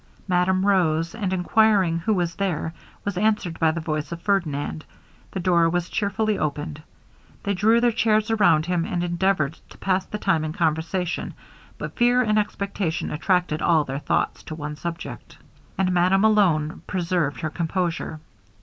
Madame rose, and enquiring who was there, was answered by the voice of Ferdinand. The door was cheerfully opened. They drew their chairs round him, and endeavoured to pass the time in conversation; but fear and expectation attracted all their thoughts to one subject, and madame alone preserved her composure.